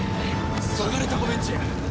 下がれタコメンチ！